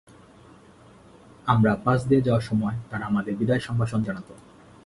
আমরা পাশ দিয়ে যাওয়ার সময় তারা আমাদের বিদায় সম্ভাষণ জানাত।